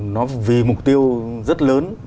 nó vì mục tiêu rất lớn